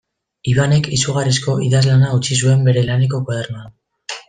Ibanek izugarrizko idazlana utzi zuen bere laneko koadernoan.